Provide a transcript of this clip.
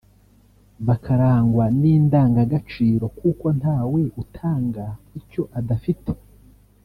bakarangwa n’indangagaciro kuko ntawe utanga icyo adafite